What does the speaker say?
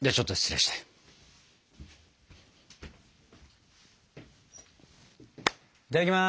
いただきます。